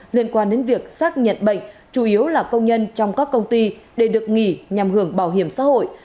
liên quan đến việc xác nhận bệnh chủ yếu là công nhân trong các công ty để được nghỉ nhằm hưởng bảo hiểm xã hội